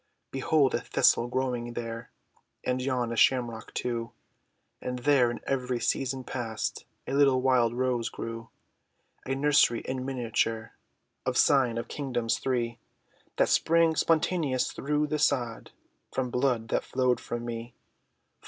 Behold a thistle growing there, And yon a shamrock too, And there in every season past, A little wild rose grew, A nursery in miniature, Of sign of Kingdoms three, That sprang spontaneous thro' the sod, From blood, that flowed from me, For lo!